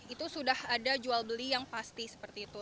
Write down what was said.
itu sudah ada jual beli yang pasti seperti itu